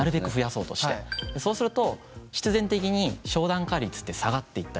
そうすると必然的に商談化率って下がっていったりとか。